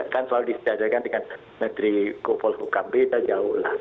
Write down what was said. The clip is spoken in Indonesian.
kan soal disediakan dengan menteri kopal ukam beda jauh lah